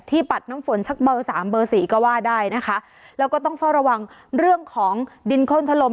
ปัดน้ำฝนสักเบอร์สามเบอร์สี่ก็ว่าได้นะคะแล้วก็ต้องเฝ้าระวังเรื่องของดินโค้นทะลม